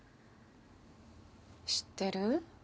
知ってる？